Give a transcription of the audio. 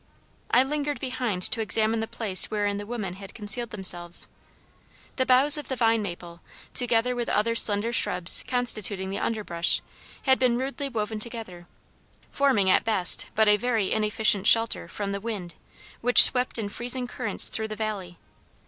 I lingered behind to examine the place wherein the women had concealed themselves. The boughs of the vine maple, together with other slender shrubs constituting the underbrush, had been rudely woven together, forming, at best, but a very inefficient shelter from the wind, which swept in freezing currents through the valley.